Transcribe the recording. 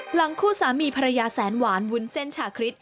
หลังคู่สามีภรรยาแสนหวานวุ้นเส้นชาคริส